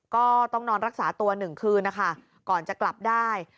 ก็ต้องนอนรักษาตัว๑คืนนะคะก่อนจะกลับได้